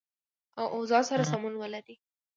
او اوضاع سره سمون ولري